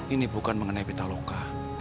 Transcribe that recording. ini bukan mengenai pitaloka